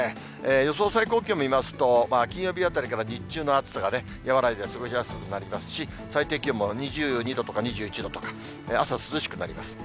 予想最高気温見ますと、金曜日あたりから日中の暑さが和らいで、過ごしやすくなりますし、最低気温も２２度とか２１度とか、朝、涼しくなります。